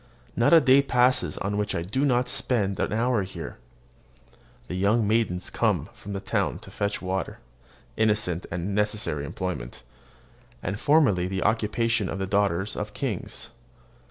Not a day passes on which I do not spend an hour there. The young maidens come from the town to fetch water, innocent and necessary employment, and formerly the occupation of the daughters of kings.